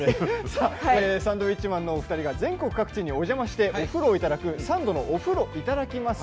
サンドウィッチマンのお二人が全国各地にお邪魔して、お風呂をいただく「サンドのお風呂いただきます」